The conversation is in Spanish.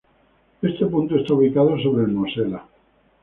Este punto está ubicado sobre el Mosela.